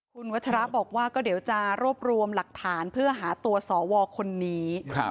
คุณวัชระบอกว่าก็เดี๋ยวจะรวบรวมหลักฐานเพื่อหาตัวสวคนนี้